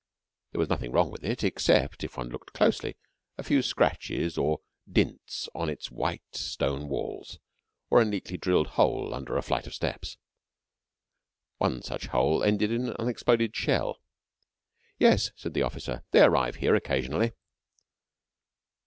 There was nothing wrong with it except, if one looked closely, a few scratches or dints on its white stone walls, or a neatly drilled hole under a flight of steps. One such hole ended in an unexploded shell. "Yes," said the officer. "They arrive here occasionally."